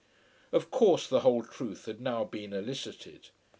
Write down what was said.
Of course the whole truth had now been elicited.